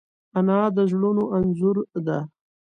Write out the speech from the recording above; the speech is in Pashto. انا د زړونو انځور ده